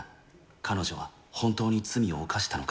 彼女は本当に罪を犯したのか？